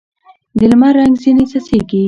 د لمر رنګ ځیني څڅېږي